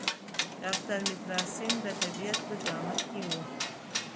ډاکټر مترا سینګه د طبیب په جامه کې و.